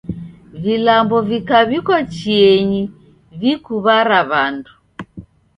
Vilambo vikaw'ikwa chienyi vakuw'ara w'andu.